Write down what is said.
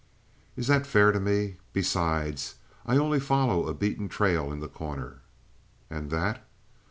"Is that fair to me? Besides, I only follow a beaten trail in The Corner." "And that?"